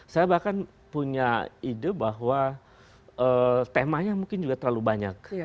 saya bahkan punya ide bahwa temanya mungkin juga terlalu banyak